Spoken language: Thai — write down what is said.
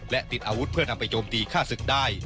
และติดอาวุธเพื่อนำไปโจมตีฆ่าศึกได้